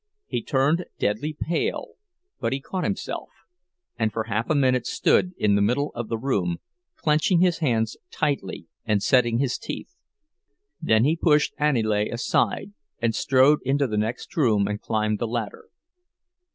He turned deadly pale, but he caught himself, and for half a minute stood in the middle of the room, clenching his hands tightly and setting his teeth. Then he pushed Aniele aside and strode into the next room and climbed the ladder.